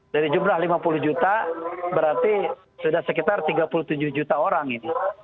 dari jumlah lima puluh juta berarti sudah sekitar tiga puluh tujuh juta orang ini